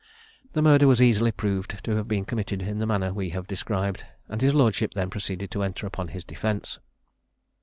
The murder was easily proved to have been committed in the manner we have described; and his lordship then proceeded to enter upon his defence.